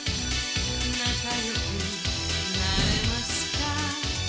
「なかよくなれますか」